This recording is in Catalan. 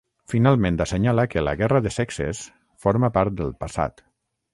Finalment assenyala que la ‘guerra de sexes’ forma part del passat.